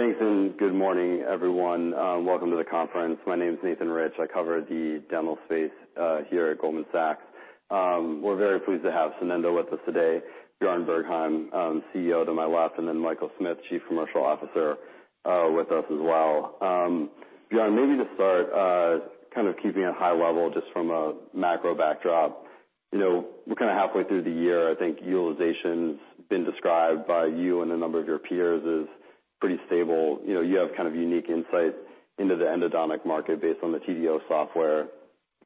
Great. Thanks, good morning, everyone. Welcome to the conference. My name is Nathan Rich. I cover the dental space here at Goldman Sachs. We're very pleased to have Sonendo with us today. Bjarne Bergheim, CEO, to my left, Michael Smith, Chief Commercial Officer, with us as well. Bjarne, maybe to start, kind of keeping it high level, just from a macro backdrop, you know, we're kind of halfway through the year. I think utilization's been described by you and a number of your peers as pretty stable. You know, you have kind of unique insight into the endodontic market based on the TDO software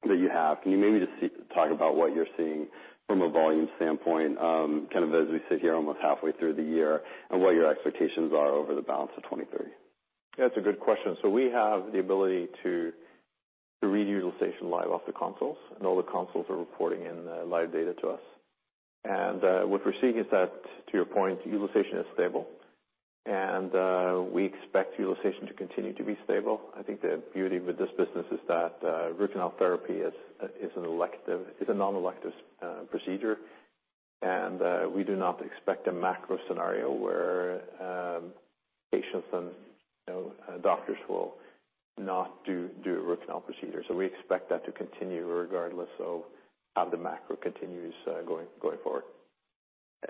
that you have. Can you maybe just talk about what you're seeing from a volume standpoint, kind of as we sit here almost halfway through the year, and what your expectations are over the balance of 2023? That's a good question. We have the ability to read utilization live off the consoles, and all the consoles are reporting in live data to us. What we're seeing is that, to your point, utilization is stable, and we expect utilization to continue to be stable. I think the beauty with this business is that root canal therapy is a non-elective procedure. We do not expect a macro scenario where patients and, you know, doctors will not do a root canal procedure. We expect that to continue regardless of how the macro continues going forward.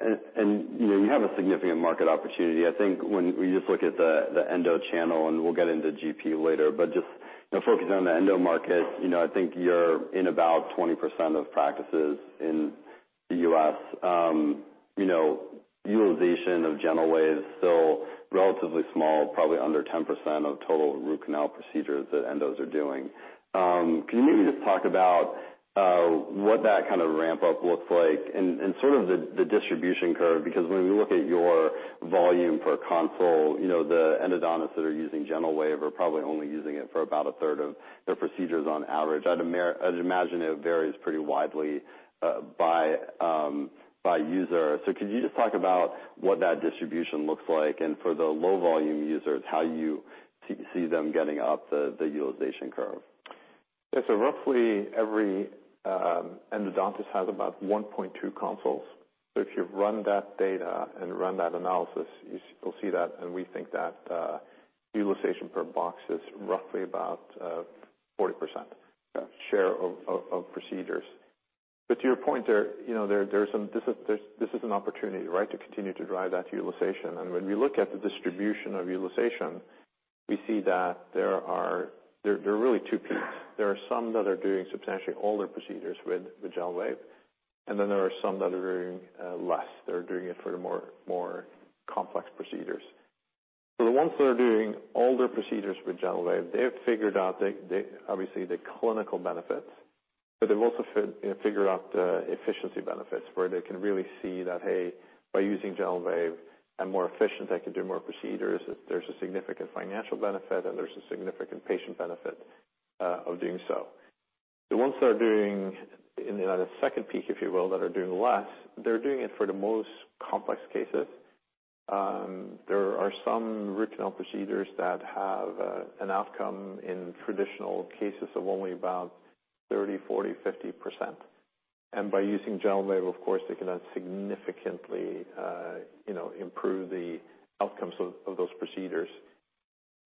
You know, you have a significant market opportunity. I think when we just look at the endo channel, and we'll get into GP later, but just, you know, focusing on the endo market, you know, I think you're in about 20% of practices in the U.S. You know, utilization of GentleWave is still relatively small, probably under 10% of total root canal procedures that endos are doing. Can you maybe just talk about what that kind of ramp up looks like and sort of the distribution curve? Because when we look at your volume per console, you know, the endodontists that are using GentleWave are probably only using it for about a third of their procedures on average. I'd imagine it varies pretty widely by user. Could you just talk about what that distribution looks like, and for the low volume users, how you see them getting up the utilization curve? Yes. Roughly every endodontist has about 1.2 consoles. If you run that data and run that analysis, you will see that, and we think that utilization per box is roughly about 40%. Got it. Share of procedures. To your point there, you know, there are some, this is an opportunity, right, to continue to drive that utilization. And when we look at the distribution of utilization, we see that there are really two peaks. There are some that are doing substantially all their procedures with the GentleWave, and then there are some that are doing less. They're doing it for the more complex procedures. The ones that are doing all their procedures with GentleWave, they've figured out the, obviously, the clinical benefits, but they've also you know, figured out the efficiency benefits, where they can really see that, "Hey, by using GentleWave, I'm more efficient. I can do more procedures. There's a significant financial benefit, and there's a significant patient benefit of doing so. The ones that are doing in the second peak, if you will, that are doing less, they're doing it for the most complex cases. There are some root canal procedures that have an outcome in traditional cases of only about 30%, 40%, 50%. By using GentleWave, of course, they can then significantly, you know, improve the outcomes of those procedures.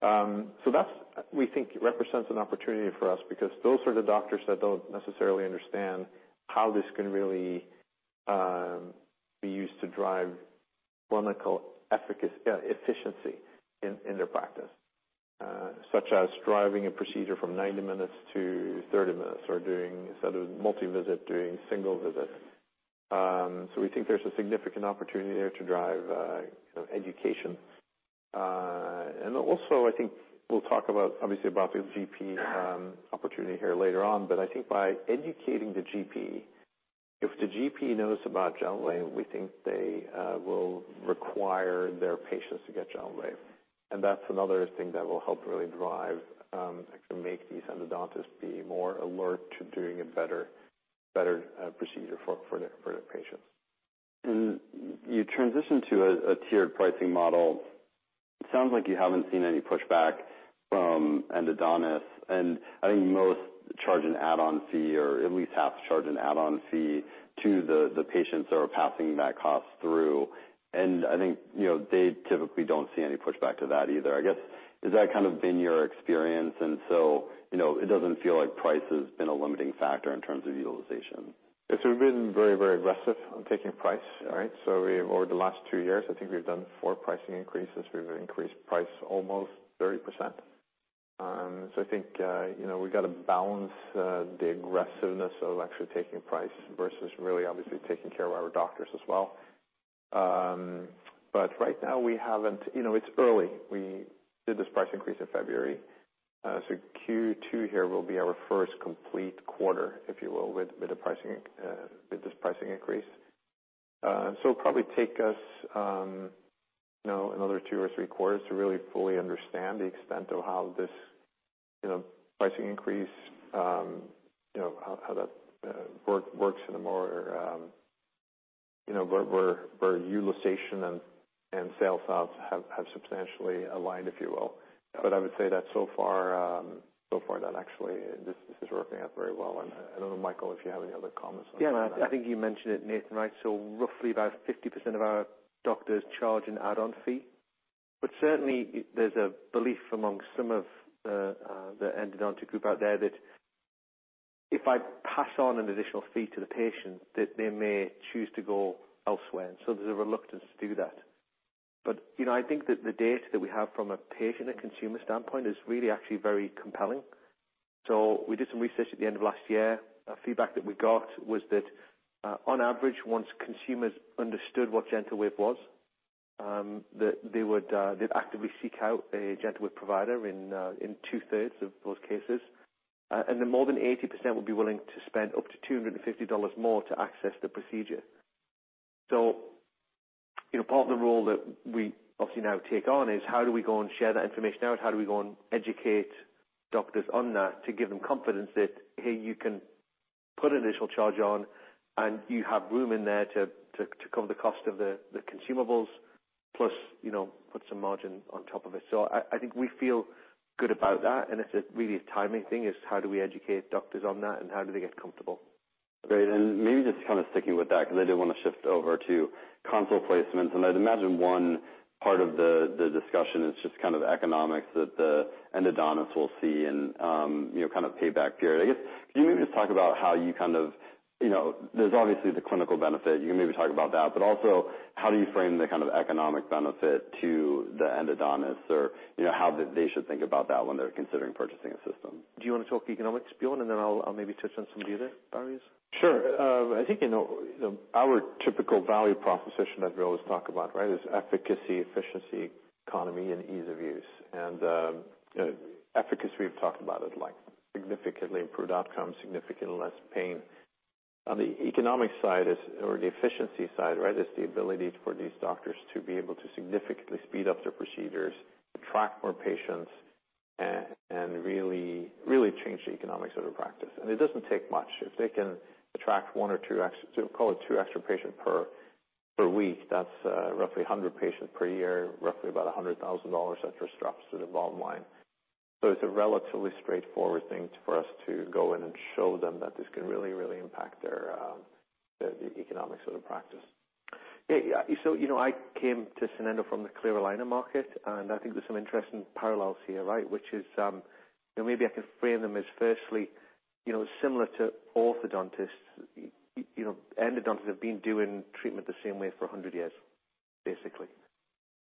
That's, we think, represents an opportunity for us because those are the doctors that don't necessarily understand how this can really be used to drive clinical efficiency in their practice. Such as driving a procedure from 90 minutes to 30 minutes, or doing, instead of multi-visit, doing single visit. We think there's a significant opportunity there to drive, you know, education. Also, I think we'll talk about, obviously, about the GP opportunity here later on, but I think by educating the GP, if the GP knows about GentleWave, we think they will require their patients to get GentleWave. That's another thing that will help really drive and make these endodontists be more alert to doing a better procedure for their patients. You transitioned to a tiered pricing model. It sounds like you haven't seen any pushback from endodontists, and I think most charge an add-on fee, or at least half charge an add-on fee to the patients that are passing that cost through. I think, you know, they typically don't see any pushback to that either. I guess, has that kind of been your experience? You know, it doesn't feel like price has been a limiting factor in terms of utilization. Yes, we've been very, very aggressive on taking price, all right? We've, over the last two years, I think we've done four pricing increases. We've increased price almost 30%. I think, you know, we've got to balance the aggressiveness of actually taking price versus really obviously taking care of our doctors as well. Right now, we haven't. You know, it's early. We did this price increase in February. Q2 here will be our first complete quarter, if you will, with the pricing, with this pricing increase. It'll probably take us, you know, another two or three quarters to really fully understand the extent of how this, you know, pricing increase, you know, how that works in a more. You know, where utilization and sales ops have substantially aligned, if you will. I would say that so far, that actually, this is working out very well. I don't know, Michael, if you have any other comments on that. Yeah, I think you mentioned it, Nathan, right? Roughly about 50% of our doctors charge an add-on fee. Certainly, there's a belief among some of the endodontic group out there that if I pass on an additional fee to the patient, that they may choose to go elsewhere, and so there's a reluctance to do that. You know, I think that the data that we have from a patient and consumer standpoint is really actually very compelling. We did some research at the end of last year. A feedback that we got was that, on average, once consumers understood what GentleWave was, that they would, they'd actively seek out a GentleWave provider in 2/3 of those cases. More than 80% would be willing to spend up to $250 more to access the procedure. You know, part of the role that we obviously now take on is how do we go and share that information out? How do we go and educate doctors on that to give them confidence that, hey, you can put an initial charge on, and you have room in there to cover the cost of the consumables, plus, you know, put some margin on top of it. I think we feel good about that, and it's really a timing thing, is how do we educate doctors on that and how do they get comfortable? Great. Maybe just kind of sticking with that, because I do want to shift over to console placements. I'd imagine one part of the discussion is just kind of economics that the endodontists will see and, you know, kind of payback period. I guess, can you maybe just talk about how you kind of, you know, there's obviously the clinical benefit, you can maybe talk about that, but also how do you frame the kind of economic benefit to the endodontists or, you know, how they should think about that when they're considering purchasing a system? Do you want to talk economics, Bjarne, and then I'll maybe touch on some of the other barriers? Sure. I think, you know, our typical value proposition that we always talk about, right, is efficacy, efficiency, economy, and ease of use. Efficacy, we've talked about it, like significantly improved outcomes, significantly less pain. On the economic side is, or the efficiency side, right, is the ability for these doctors to be able to significantly speed up their procedures, attract more patients, and really change the economics of their practice. It doesn't take much. If they can attract one or two extra, call it two extra patients per week, that's roughly 100 patients per year, roughly about $100,000 extra drops to the bottom line. It's a relatively straightforward thing for us to go in and show them that this can really impact their economics of the practice. Yeah, you know, I came to Sonendo from the clear aligner market, and I think there's some interesting parallels here, right? Which is, maybe I can frame them as firstly, you know, similar to orthodontists, you know, endodontists have been doing treatment the same way for 100 years, basically.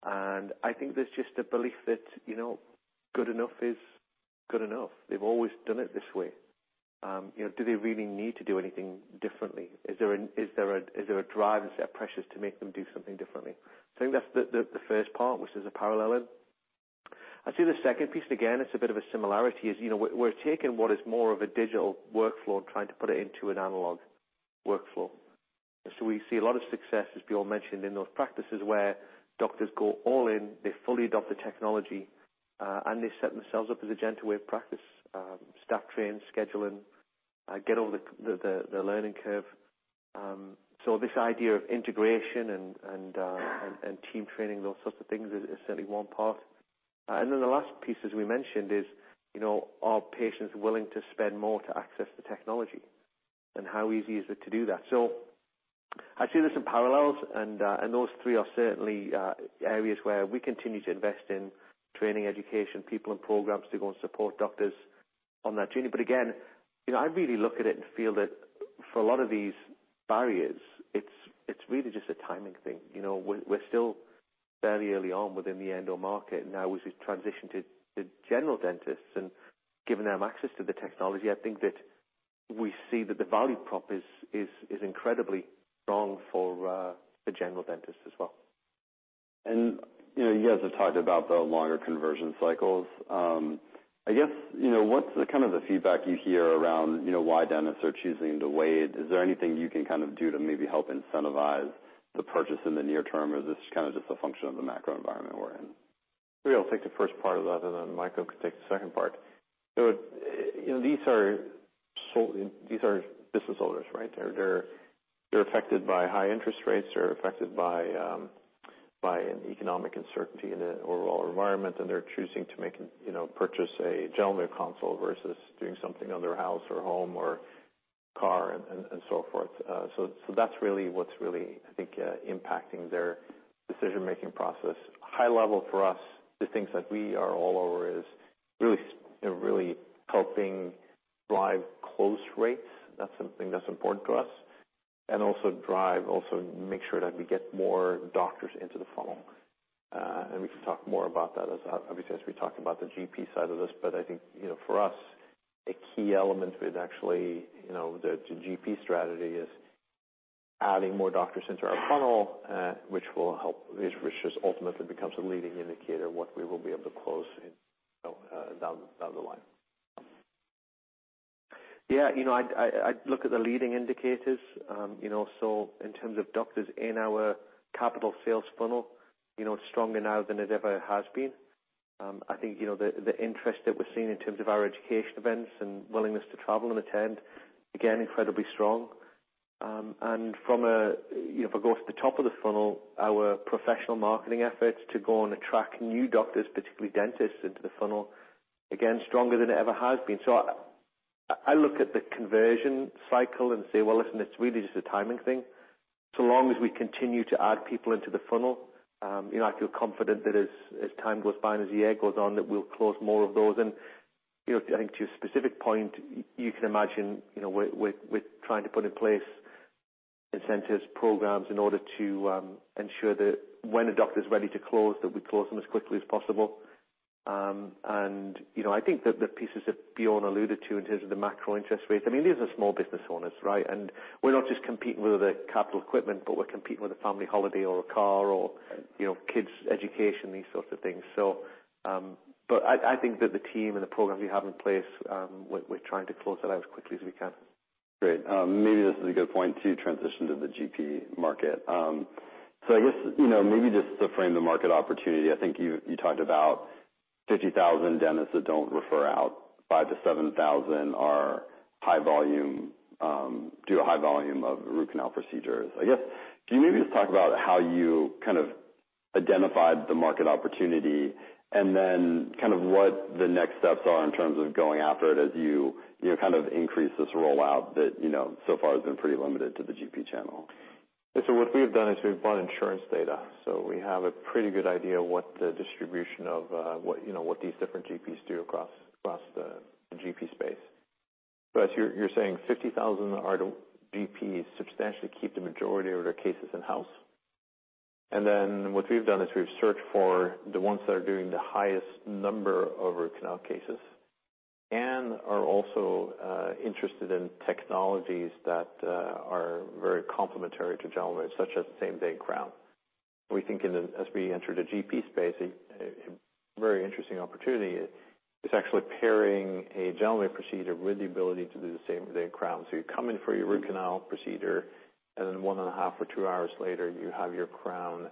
I think there's just a belief that, you know, good enough is good enough. They've always done it this way. You know, do they really need to do anything differently? Is there a drive and set of pressures to make them do something differently? I think that's the first part, which there's a parallel in. I'd say the second piece, again, it's a bit of a similarity, is, you know, we're taking what is more of a digital workflow and trying to put it into an analog workflow. We see a lot of success, as Bjarne mentioned, in those practices where doctors go all in, they fully adopt the technology, and they set themselves up as a GentleWave practice. Staff training, scheduling, get over the learning curve. This idea of integration and team training, those sorts of things, is certainly one part. The last piece, as we mentioned, is, you know, are patients willing to spend more to access the technology? How easy is it to do that? I see there's some parallels, and those three are certainly areas where we continue to invest in training, education, people, and programs to go and support doctors on that journey. Again, you know, I really look at it and feel that for a lot of these barriers, it's really just a timing thing. You know, we're still fairly early on within the endo market, and now as we transition to general dentists and giving them access to the technology, I think that we see that the value prop is incredibly strong for the general dentist as well. You know, you guys have talked about the longer conversion cycles. I guess, you know, what's the kind of the feedback you hear around, you know, why dentists are choosing to wait? Is there anything you can kind of do to maybe help incentivize the purchase in the near term, or is this kind of just a function of the macro environment we're in? Maybe I'll take the first part of that, and then Michael can take the second part. You know, these are business owners, right? They're affected by high interest rates, they're affected by an economic uncertainty in the overall environment, and they're choosing to make a, you know, purchase a GentleWave console versus doing something on their house or home or car and so forth. So that's really what's really, I think, impacting their decision-making process. High level for us, the things that we are all over is really helping drive close rates. That's something that's important to us. Also make sure that we get more doctors into the funnel. We can talk more about that as, obviously, as we talk about the GP side of this. I think, you know, for us, a key element with actually, you know, the GP strategy is adding more doctors into our funnel, which will help, which just ultimately becomes a leading indicator of what we will be able to close in, down the line. Yeah, you know, I look at the leading indicators, you know, in terms of doctors in our capital sales funnel, stronger now than it ever has been. I think, you know, the interest that we're seeing in terms of our education events and willingness to travel and attend, again, incredibly strong. From a, you know, if I go to the top of the funnel, our professional marketing efforts to go and attract new doctors, particularly dentists, into the funnel, again, stronger than it ever has been. I look at the conversion cycle and say, "Well, listen, it's really just a timing thing." Long as we continue to add people into the funnel, you know, I feel confident that as time goes by and as the year goes on, that we'll close more of those. You know, I think to your specific point, you can imagine, you know, we're trying to put in place incentives, programs, in order to ensure that when a doctor's ready to close, that we close them as quickly as possible. You know, I think that the pieces that Bjarne Bergheim alluded to in terms of the macro interest rates, I mean, these are small business owners, right? We're not just competing with the capital equipment, but we're competing with a family holiday or a car or, you know, kids' education, these sorts of things. I think that the team and the programs we have in place, we're trying to close that out as quickly as we can. Great. Maybe this is a good point to transition to the GP market. I guess, you know, maybe just to frame the market opportunity, I think you talked about 50,000 dentists that don't refer out, 5,000-7,000 are high volume, do a high volume of root canal procedures. I guess, can you maybe just talk about how you kind of identified the market opportunity, and then kind of what the next steps are in terms of going after it as you know, kind of increase this rollout that, so far has been pretty limited to the GP channel? Yeah. What we've done is we've bought insurance data, so we have a pretty good idea of what the distribution of what, you know, what these different GPs do across the GP space. You're saying 50,000 are the GPs substantially keep the majority of their cases in-house. What we've done is we've searched for the ones that are doing the highest number of root canal cases, and are also interested in technologies that are very complementary to GentleWave, such as same-day crown. We think as we enter the GP space, a very interesting opportunity is actually pairing a GentleWave procedure with the ability to do the same-day crown. You come in for your root canal procedure, and then 1.5 or two hours later, you have your crown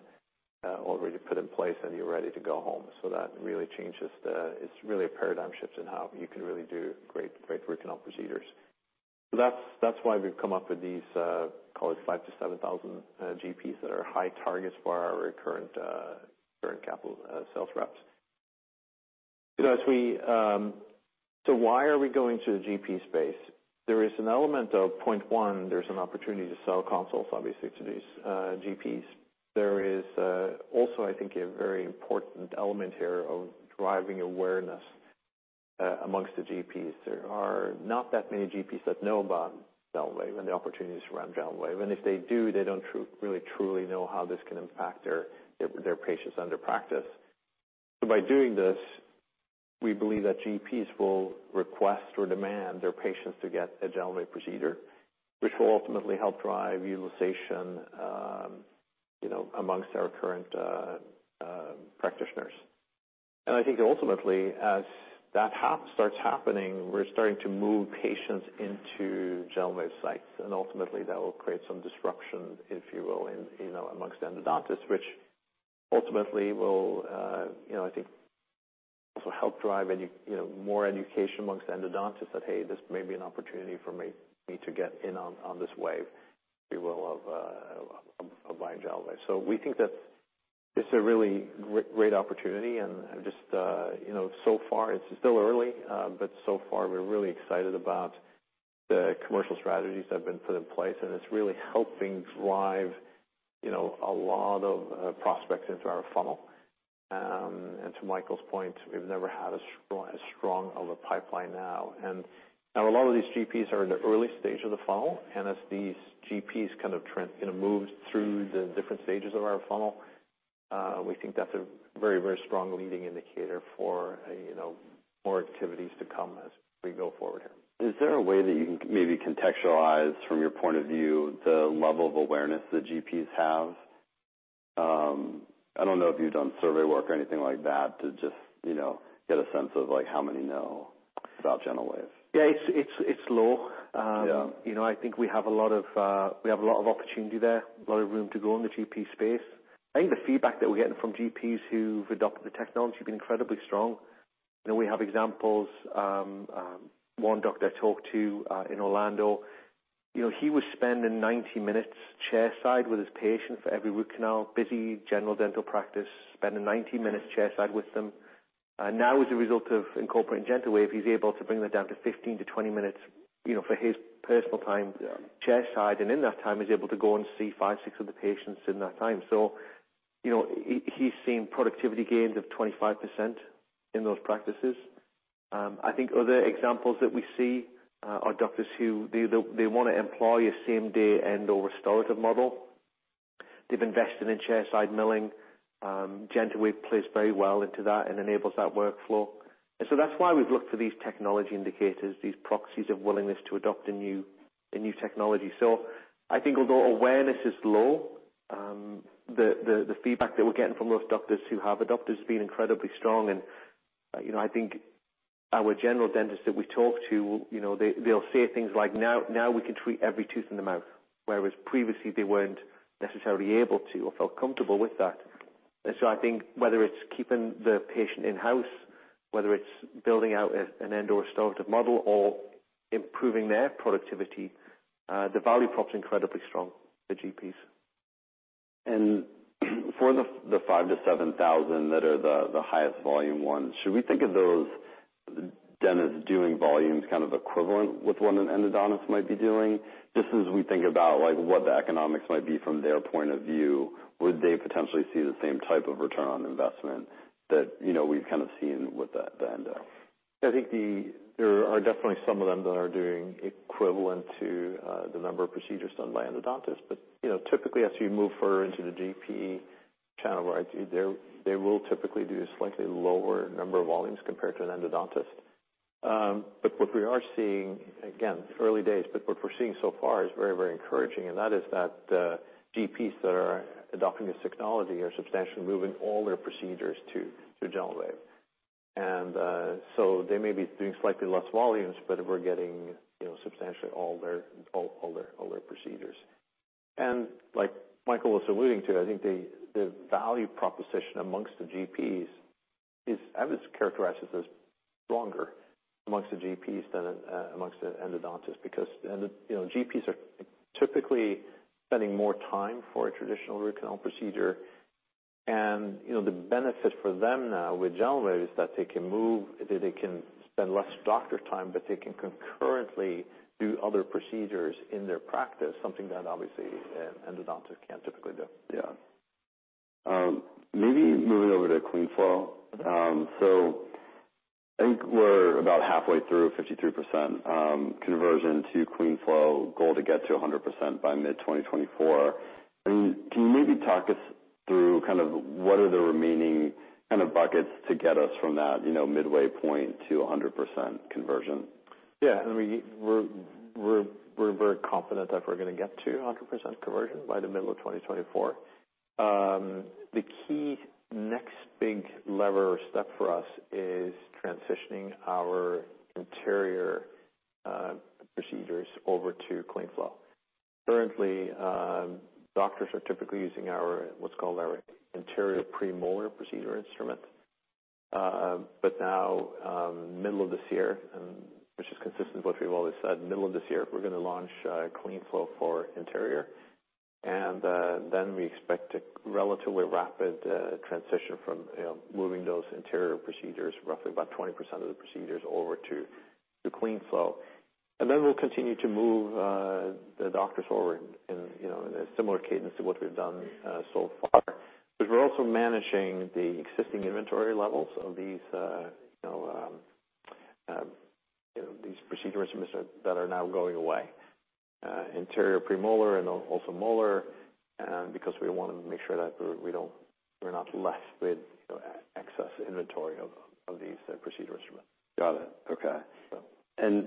already put in place and you're ready to go home. That really changes the. It's really a paradigm shift in how you can really do great root canal procedures. That's why we've come up with these, call it 5,000-7,000 GPs that are high targets for our current capital sales reps. You know, as we. Why are we going to the GP space? There is an element of, point one, there's an opportunity to sell consoles, obviously, to these GPs. There is also, I think, a very important element here of driving awareness amongst the GPs. There are not that many GPs that know about GentleWave and the opportunities around GentleWave, and if they do, they don't really truly know how this can impact their patients under practice. By doing this, we believe that GPs will request or demand their patients to get a GentleWave procedure, which will ultimately help drive utilization, you know, amongst our current practitioners. I think ultimately, as that starts happening, we're starting to move patients into GentleWave sites, and ultimately, that will create some disruption, if you will, in, you know, amongst endodontists, which ultimately will, you know, I think, also help drive more education amongst endodontists that, "Hey, this may be an opportunity for me to get in on this wave," if you will, of buying GentleWave. We think that it's a really great opportunity, and just, you know, so far, it's still early, but so far, we're really excited about the commercial strategies that have been put in place, and it's really helping drive, you know, a lot of prospects into our funnel. To Michael's point, we've never had as strong of a pipeline now. Now a lot of these GPs are in the early stage of the funnel, and as these GPs kind of trend, you know, move through the different stages of our funnel, we think that's a very, very strong leading indicator for a, you know, more activities to come as we go forward here. Is there a way that you can maybe contextualize, from your point of view, the level of awareness that GPs have? I don't know if you've done survey work or anything like that to just, you know, get a sense of, like, how many know about GentleWave. Yeah, it's low. Yeah. You know, I think we have a lot of, we have a lot of opportunity there, a lot of room to go in the GP space. I think the feedback that we're getting from GPs who've adopted the technology has been incredibly strong. You know, we have examples, one doctor I talked to, in Orlando, you know, he was spending 90 minutes chairside with his patient for every root canal, busy general dental practice, spending 90 minutes chairside with them. Now, as a result of incorporating GentleWave, he's able to bring that down to 15-20 minutes, you know, for his personal time. Yeah Chairside, and in that time, he's able to go and see five, six other patients in that time. You know, he's seeing productivity gains of 25% in those practices. I think other examples that we see are doctors who, they wanna employ a same-day endo or restorative model. They've invested in chairside milling. GentleWave plays very well into that and enables that workflow. That's why we've looked for these technology indicators, these proxies of willingness to adopt a new technology. I think although awareness is low, the feedback that we're getting from those doctors who have adopted has been incredibly strong. You know, I think our general dentists that we talk to, you know, they'll say things like, "Now we can treat every tooth in the mouth," whereas previously they weren't necessarily able to or felt comfortable with that. I think whether it's keeping the patient in-house, whether it's building out an endo restorative model or improving their productivity, the value prop's incredibly strong for GPs. For the 5,000-7,000 that are the highest volume ones, should we think of those dentists doing volumes kind of equivalent with what an endodontist might be doing? Just as we think about, like, what the economics might be from their point of view, would they potentially see the same type of return on investment that, you know, we've kind of seen with the endo? I think there are definitely some of them that are doing equivalent to the number of procedures done by endodontists. You know, typically, as you move further into the GP channel, right, they will typically do a slightly lower number of volumes compared to an endodontist. What we are seeing, again, early days, but what we're seeing so far is very, very encouraging, and that is that GPs that are adopting this technology are substantially moving all their procedures to GentleWave. So they may be doing slightly less volumes, but we're getting, you know, substantially all their procedures. Like Michael was alluding to, I think the value proposition amongst the GPs is, I would characterize it as stronger amongst the GPs than amongst the endodontists. You know, GPs are typically spending more time for a traditional root canal procedure. You know, the benefit for them now with GentleWave is that they can spend less doctor time, but they can concurrently do other procedures in their practice, something that obviously an endodontist can't typically do. Yeah. Maybe moving over to CleanFlow. I think we're about halfway through, 53%, conversion to CleanFlow, goal to get to 100% by mid-2024. Can you maybe talk us through kind of what are the remaining kind of buckets to get us from that, you know, midway point to 100% conversion? Yeah, I mean, we're very confident that we're going to get to 100% conversion by the middle of 2024. The key next big lever or step for us is transitioning our anterior procedures over to CleanFlow. Currently, doctors are typically using our, what's called our Anterior/Premolar Procedure Instrument. Now, middle of this year, and which is consistent with what we've always said, middle of this year, we're going to launch CleanFlow for anterior. We expect a relatively rapid transition from, you know, moving those anterior procedures, roughly about 20% of the procedures, over to CleanFlow. We'll continue to move the doctors over in, you know, in a similar cadence to what we've done so far. We're also managing the existing inventory levels of these, you know, these procedure instruments that are now going away, Anterior/Premolar and also Molar, because we want to make sure that we're not left with excess inventory of these, procedure instruments. Got it. Okay. Yeah.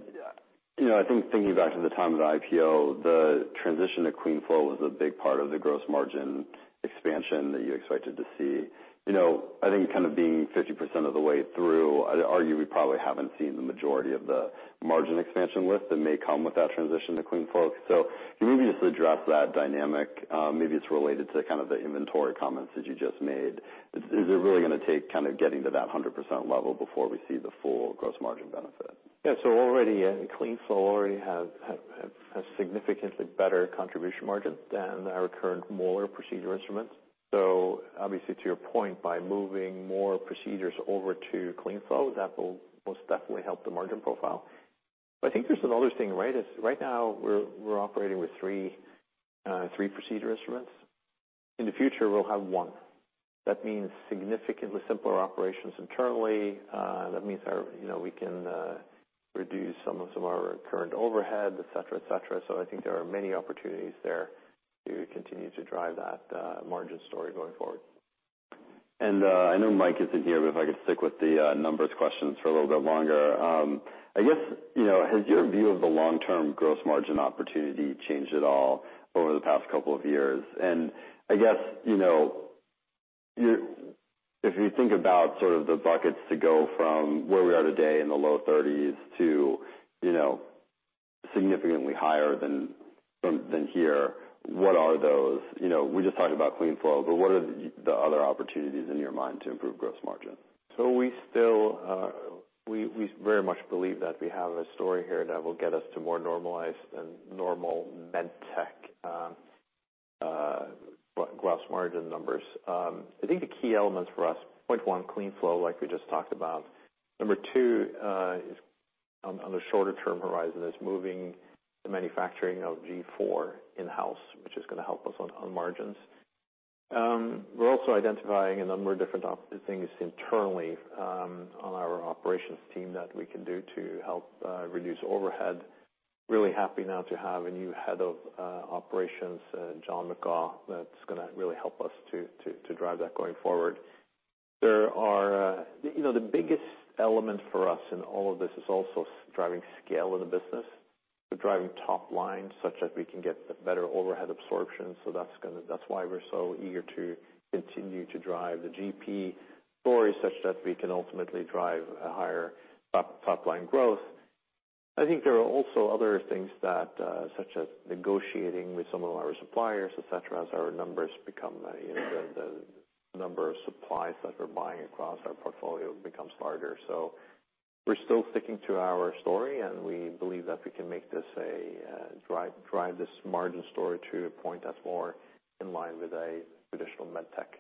You know, I think thinking back to the time of the IPO, the transition to CleanFlow was a big part of the gross margin expansion that you expected to see. You know, I think kind of being 50% of the way through, I'd argue we probably haven't seen the majority of the margin expansion that may come with that transition to CleanFlow. Can you maybe just address that dynamic? Maybe it's related to kind of the inventory comments that you just made. Is it really going to take kind of getting to that 100% level before we see the full gross margin benefit? Already CleanFlow already has significantly better contribution margins than our current molar procedure instruments. Obviously, to your point, by moving more procedures over to CleanFlow, that will most definitely help the margin profile. I think there's another thing, right? Is right now, we're operating with three procedure instruments. In the future, we'll have one. That means significantly simpler operations internally. That means our, you know, we can reduce some of our current overhead, et cetera, et cetera. I think there are many opportunities there to continue to drive that margin story going forward. I know Mike isn't here, but if I could stick with the numbers questions for a little bit longer. I guess, you know, has your view of the long-term gross margin opportunity changed at all over the past couple of years? I guess, you know, if you think about sort of the buckets to go from where we are today in the low 30s to, you know, significantly higher than here, what are those? You know, we just talked about CleanFlow, but what are the other opportunities in your mind to improve gross margin? We still, we very much believe that we have a story here that will get us to more normalized and normal med tech gross margin numbers. I think the key elements for us, point one, CleanFlow, like we just talked about. Number two, is on the shorter term horizon, is moving the manufacturing of G4 in-house, which is going to help us on margins. We're also identifying a number of different things internally, on our operations team that we can do to help reduce overhead. Really happy now to have a new head of operations, John McGaugh, that's going to really help us to drive that going forward. There are, you know, the biggest element for us in all of this is also driving scale in the business. Driving top line, such that we can get better overhead absorption. That's why we're so eager to continue to drive the GP story, such that we can ultimately drive a higher top line growth. I think there are also other things that, such as negotiating with some of our suppliers, et cetera, as our numbers become the number of supplies that we're buying across our portfolio becomes larger. We're still sticking to our story, and we believe that we can make this a drive this margin story to a point that's more in line with a traditional med tech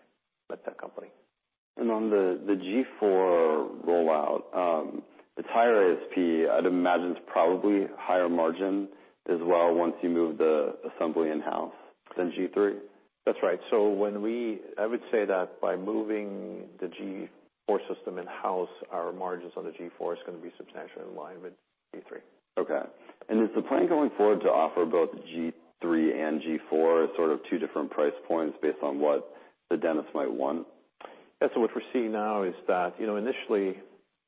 company. On the G4 rollout, it's higher ASP, I'd imagine it's probably higher margin as well, once you move the assembly in-house than G3? That's right. I would say that by moving the G4 System in-house, our margins on the G4 is gonna be substantially in line with G3. Okay. Is the plan going forward to offer both G3 and G4 as sort of two different price points based on what the dentist might want? What we're seeing now is that, you know, initially,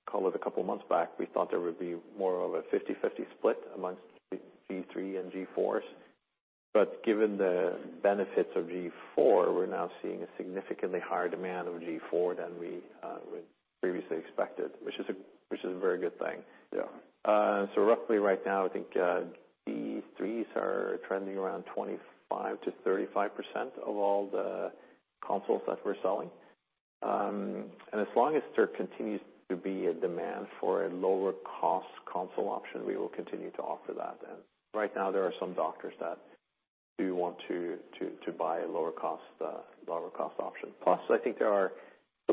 call it a couple of months back, we thought there would be more of a 50/50 split amongst G3 and G4s. Given the benefits of G4, we're now seeing a significantly higher demand of G4 than we previously expected, which is a very good thing. Yeah. Roughly right now, I think G3s are trending around 25%-35% of all the consoles that we're selling. As long as there continues to be a demand for a lower cost console option, we will continue to offer that. Right now, there are some doctors that do want to buy a lower cost, lower cost option. I think there are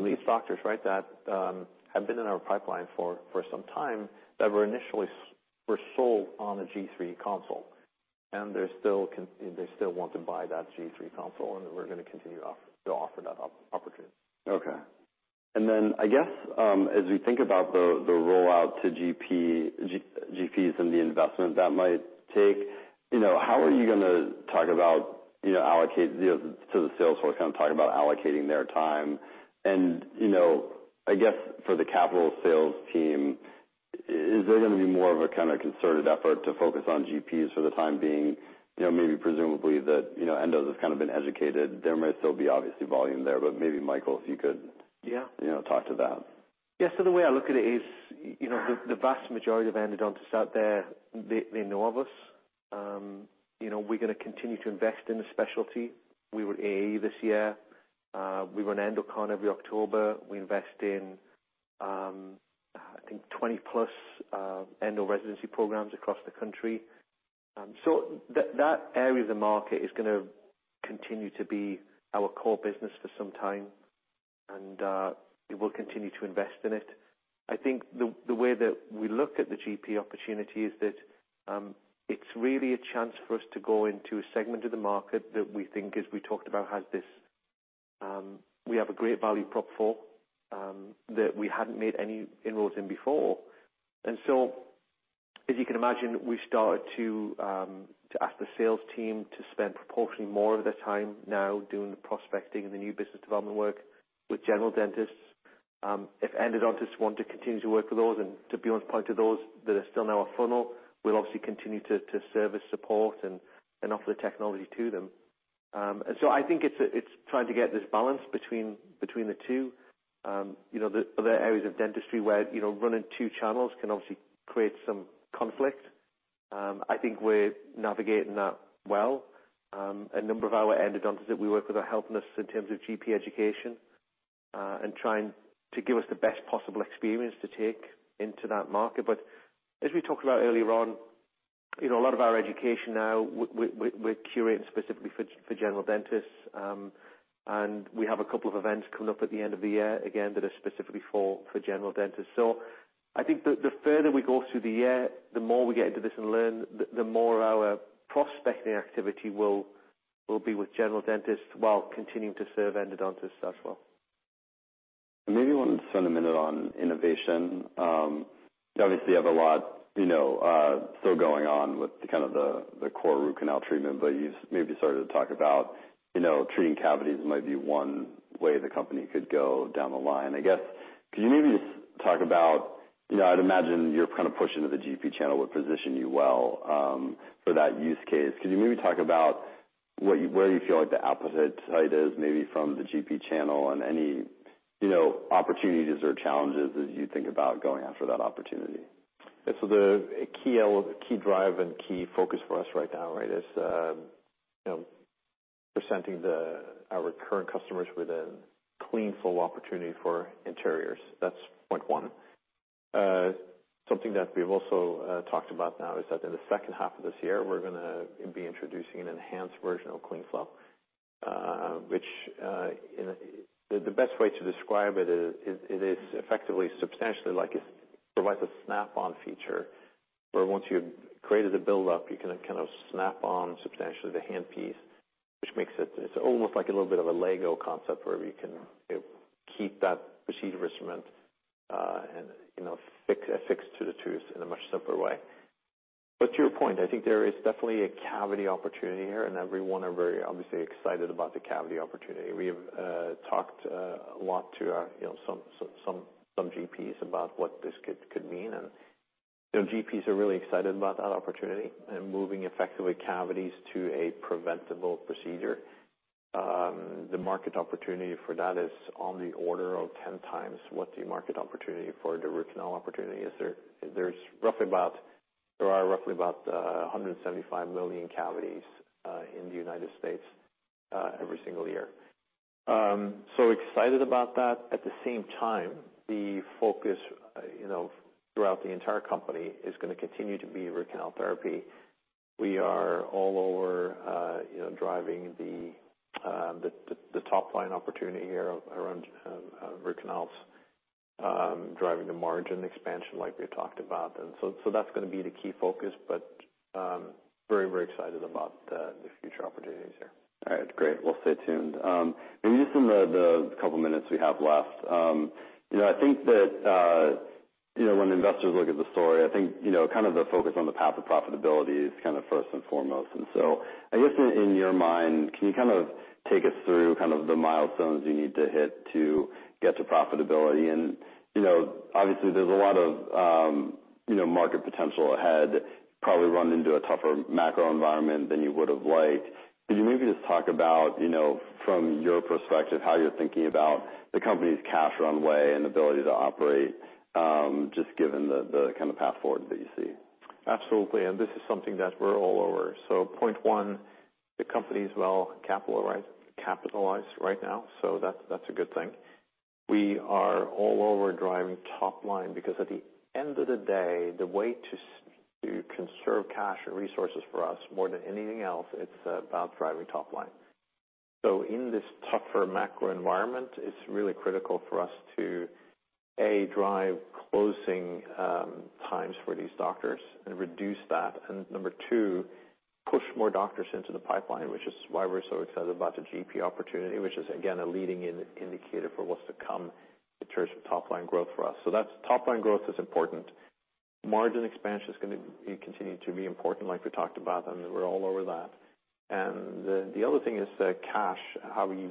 these doctors, right, that have been in our pipeline for some time, that were initially were sold on a G3 console, and they still want to buy that G3 console, and we're gonna continue to offer that opportunity. Okay. I guess, as we think about the rollout to GPs and the investment that might take, you know, how are you gonna talk about, you know, allocate, you know, to the sales force, kind of talk about allocating their time? I guess for the capital sales team, is there gonna be more of a kind of concerted effort to focus on GPs for the time being? You know, maybe presumably that endos has kind of been educated. There might still be obviously volume there, but maybe Michael, if you could- Yeah. You know, talk to that. The way I look at it is, you know, the vast majority of endodontists out there, they know of us. You know, we're gonna continue to invest in the specialty. We were AAE this year. We run EndoCon every October. We invest in, I think 20+ endo residency programs across the country. That, that area of the market is gonna continue to be our core business for some time, and we will continue to invest in it. I think the way that we look at the GP opportunity is that it's really a chance for us to go into a segment of the market that we think, as we talked about, has this, we have a great value prop for that we hadn't made any inroads in before. As you can imagine, we started to ask the sales team to spend proportionally more of their time now doing the prospecting and the new business development work with general dentists. If endodontists want to continue to work with those, and to Bjarne's point, to those that are still in our funnel, we'll obviously continue to service, support and offer the technology to them. I think it's trying to get this balance between the two. You know, the other areas of dentistry where, you know, running two channels can obviously create some conflict. I think we're navigating that well. A number of our endodontists that we work with are helping us in terms of GP education and trying to give us the best possible experience to take into that market. As we talked about earlier on, you know, a lot of our education now, we're curating specifically for general dentists. We have a couple of events coming up at the end of the year, again, that are specifically for general dentists. I think the further we go through the year, the more we get into this and learn, the more our prospecting activity will be with general dentists while continuing to serve endodontists as well. Maybe you want to spend a minute on innovation. Obviously, you have a lot, you know, still going on with kind of the core root canal treatment, but you've maybe started to talk about, you know, treating cavities might be one way the company could go down the line. I guess, can you maybe talk about, you know, I'd imagine your kind of push into the GP channel would position you well, for that use case. Can you maybe talk about where you feel like the appetite is, maybe from the GP channel and any, you know, opportunities or challenges as you think about going after that opportunity? Yeah, the key drive and key focus for us right now, right, is, you know, presenting our current customers with a clean, full opportunity for interiors. That's point one. Something that we've also talked about now is that in the second half of this year, we're gonna be introducing an enhanced version of CleanFlow, which the best way to describe it is, it is effectively substantially like a, provides a snap-on feature, where once you've created a buildup, you can kind of snap on substantially the handpiece, which makes it almost like a little bit of a Lego concept where you can keep that procedure instrument, and, you know, fixed, affixed to the tooth in a much simpler way. To your point, I think there is definitely a cavity opportunity here, and everyone are very obviously excited about the cavity opportunity. We have talked a lot to our, you know, some GPs about what this could mean. You know, GPs are really excited about that opportunity and moving effectively cavities to a preventable procedure. The market opportunity for that is on the order of 10x what the market opportunity for the root canal opportunity is. There are roughly about 175 million cavities in the United States every single year. Excited about that. At the same time, the focus, you know, throughout the entire company is gonna continue to be root canal therapy. We are all over, you know, driving the top line opportunity here around root canals, driving the margin expansion, like we talked about. So that's gonna be the key focus, but very excited about the future opportunities here. All right, great. We'll stay tuned. Maybe just in the couple minutes we have left, you know, I think that, you know, when investors look at the story, I think, you know, kind of the focus on the path of profitability is kind of first and foremost. I guess in your mind, can you kind of take us through kind of the milestones you need to hit to get to profitability? You know, obviously, there's a lot of, you know, market potential ahead, probably run into a tougher macro environment than you would have liked. Could you maybe just talk about, you know, from your perspective, how you're thinking about the company's cash runway and ability to operate, just given the kind of path forward that you see? Absolutely, this is something that we're all over. Point one, the company is well capitalized right now, that's a good thing. We are all over driving top line, because at the end of the day, the way to conserve cash and resources for us, more than anything else, it's about driving top line. In this tougher macro environment, it's really critical for us to, A, drive closing times for these doctors and reduce that. Number two, push more doctors into the pipeline, which is why we're so excited about the GP opportunity, which is, again, a leading indicator for what's to come in terms of top line growth for us. That's, top line growth is important. Margin expansion is gonna be continue to be important, like we talked about, we're all over that. The other thing is cash, how we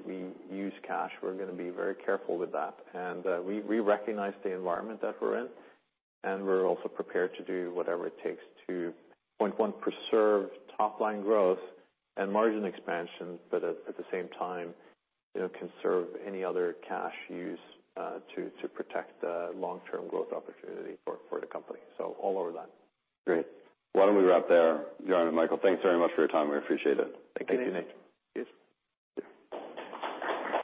use cash. We're gonna be very careful with that. We recognize the environment that we're in, and we're also prepared to do whatever it takes to, point one, preserve top line growth and margin expansion, but at the same time, you know, conserve any other cash use to protect the long-term growth opportunity for the company. All over that. Great. Why don't we wrap there? Bjarne and Michael, thanks very much for your time. I appreciate it. Thank you, Nate. Thank you.